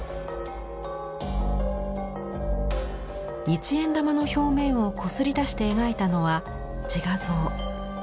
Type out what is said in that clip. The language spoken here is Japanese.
一円玉の表面をこすり出して描いたのは自画像。